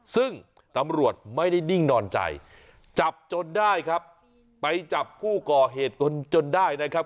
ซึ่งตำรวจไม่ได้นิ่งนอนใจจับจนได้ครับไปจับผู้ก่อเหตุจนได้นะครับ